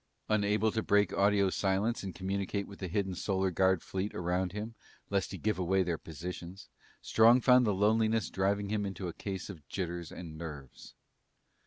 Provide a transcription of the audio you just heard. Unable to break audio silence and communicate with the hidden Solar Guard fleet around him, lest he give away their positions, Strong found the loneliness driving him into a case of jitters and nerves.